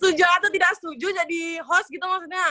setuju atau tidak setuju jadi host gitu maksudnya